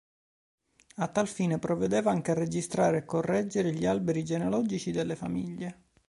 A tal fine provvedeva anche a registrare e correggere gli alberi genealogici delle famiglie.